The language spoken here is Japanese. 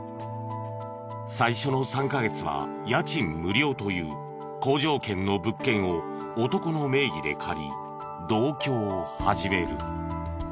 最初の３カ月は家賃無料という好条件の物件を男の名義で借り同居を始める。